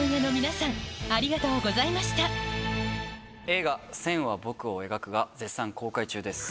映画『線は、僕を描く』が絶賛公開中です。